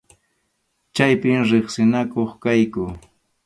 Chaypim riqsinakuq kayku.